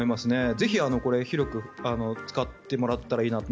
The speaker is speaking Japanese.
ぜひ、広く使ってもらったらいいなと。